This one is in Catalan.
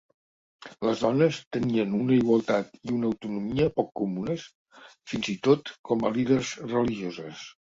Les dones tenien una igualtat i una autonomia poc comunes, fins i tot com a líders religioses.